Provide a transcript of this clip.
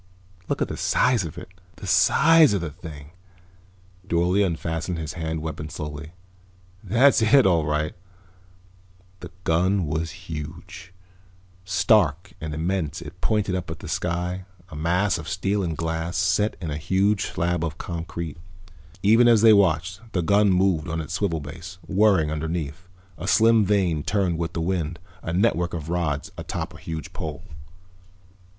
"Look at the size of it. The size of the thing." Dorle unfastened his hand weapon slowly. "That's it, all right." The gun was huge. Stark and immense it pointed up at the sky, a mass of steel and glass, set in a huge slab of concrete. Even as they watched the gun moved on its swivel base, whirring underneath. A slim vane turned with the wind, a network of rods atop a high pole.